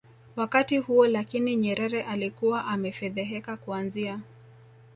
wakati huo Lakini Nyerere alikuwa amefedheheka Kuanzia